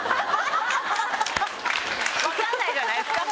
分かんないじゃないですか。